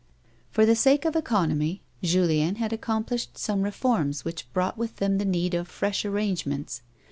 For the sake of economy, Julien had accomplished some A WOMAN'S LIFE. 85 reforms which brought with them the need of fresh arrange ments.